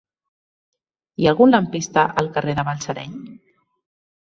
Hi ha algun lampista al carrer de Balsareny?